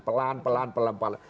pelan pelan pelan pelan